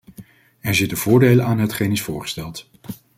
Er zitten voordelen aan hetgeen is voorgesteld.